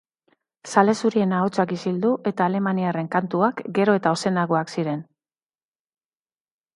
Zale zurien ahotsak isildu eta alemaniarren kantuak gero eta ozenagoak ziren.